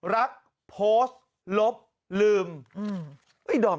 รักโพสต์ลบลืม